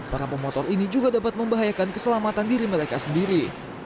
para pemotor ini juga dapat membahayakan keselamatan diri mereka sendiri